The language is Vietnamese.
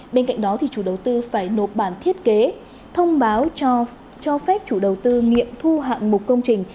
bên cạnh đó chủ đầu tư phải nộp bản thiết kế thông báo cho phép chủ đầu tư nghiệm thu hạng mục công trình